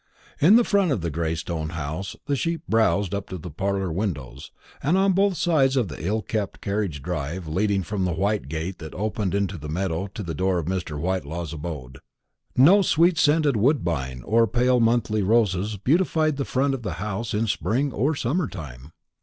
In front of the gray stone house the sheep browsed up to the parlour windows, and on both sides of the ill kept carriage drive leading from the white gate that opened into the meadow to the door of Mr. Whitelaw's abode. No sweet scented woodbine or pale monthly roses beautified the front of the house in spring or summer time.